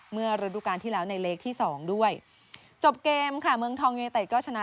ฤดูการที่แล้วในเล็กที่สองด้วยจบเกมค่ะเมืองทองยูเนเต็ดก็ชนะ